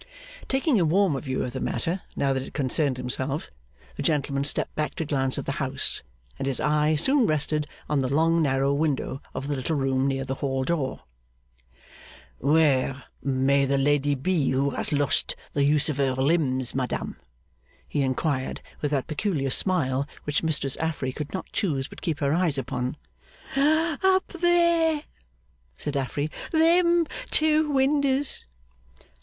Taking a warmer view of the matter now that it concerned himself, the gentleman stepped back to glance at the house, and his eye soon rested on the long narrow window of the little room near the hall door. 'Where may the lady be who has lost the use of her limbs, madam?' he inquired, with that peculiar smile which Mistress Affery could not choose but keep her eyes upon. 'Up there!' said Affery. 'Them two windows.